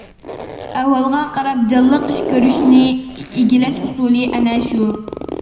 ئەھۋالغا قاراپ جانلىق ئىش كۆرۈشىنى ئىگىلەش ئۇسۇلى ئەنە شۇ.